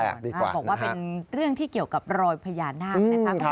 บอกว่าเป็นเรื่องที่เกี่ยวกับรอยพญานาคนะคะ